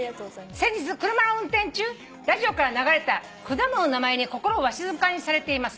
「先日車の運転中ラジオから流れた果物の名前に心をわしづかみにされています。